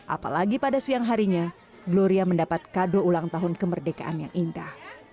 apalagi pada siang harinya gloria mendapat kado ulang tahun kemerdekaan yang indah